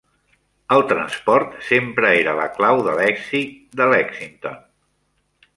El transport sempre era la clau de l'èxit de Lexington.